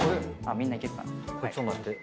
みんないけるかな。